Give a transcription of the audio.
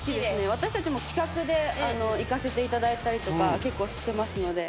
私たちも企画で行かせていただいたりとか結構してますので。